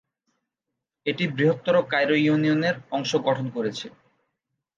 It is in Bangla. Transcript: এটি বৃহত্তর কায়রো ইউনিয়নের অংশ গঠন করেছে।